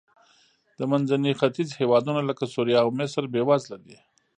د منځني ختیځ هېوادونه لکه سوریه او مصر بېوزله دي.